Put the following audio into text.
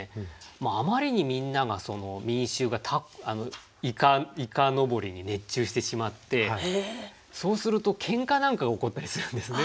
あまりにみんなが民衆が几巾に熱中してしまってそうするとけんかなんかが起こったりするんですね。